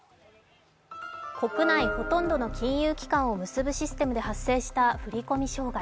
国内ほとんどの金融機関を結ぶシステムで発生した振り込み障害。